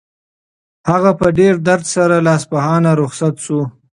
هغه په ډېر درد سره له اصفهانه رخصت شو.